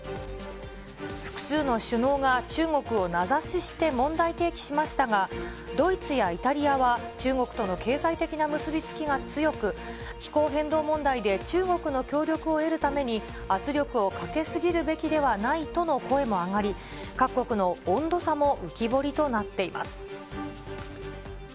複数の首脳が中国を名指しして問題提起しましたが、ドイツやイタリアは中国との経済的な結びつきが強く、気候変動問題で中国の協力を得るために、圧力をかけすぎるべきではないとの声も上がり、各国の温度差も浮き彫りとなっています。